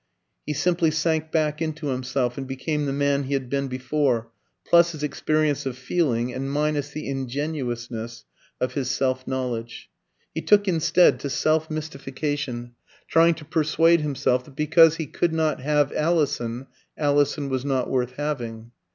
He simply sank back into himself, and became the man he had been before, plus his experience of feeling, and minus the ingenuousness of his self knowledge. He took instead to self mystification, trying to persuade himself that because he could not have Alison, Alison was not worth having.